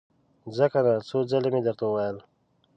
ځه کنه! څو ځلې مې درته وويل!